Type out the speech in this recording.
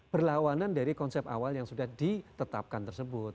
berlawanan dari konsep awal yang sudah ditetapkan tersebut